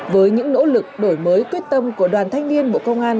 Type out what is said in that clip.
với những nỗ lực đổi mới quyết tâm của đoàn thanh niên bộ công an